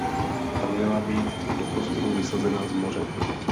Ta měla být do prostoru vysazena z moře.